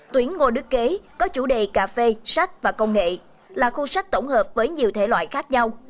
tuyến ngô đức kế có chủ đề cà phê sách và công nghệ là khu sách tổng hợp với nhiều thể loại khác nhau